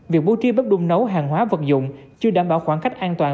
việc bố trí bếp đun nấu hàng hóa vật dụng chưa đảm bảo khoảng cách an toàn